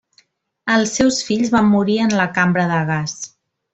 Els seus fills van morir en la cambra de gas.